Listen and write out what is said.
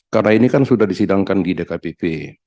karena ini kan sudah disidangkan di dkpp